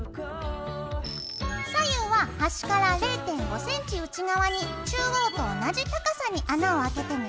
左右は端から０．５ｃｍ内側に中央と同じ高さに穴をあけてね。